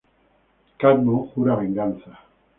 Cadmo jura venganza.